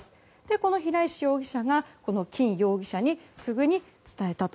この平石容疑者が金容疑者にすぐに伝えたと。